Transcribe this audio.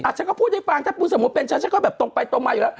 ฉันก็พูดให้ฟังถ้าคุณสมมุติเป็นฉันฉันก็แบบตรงไปตรงมาอยู่แล้ว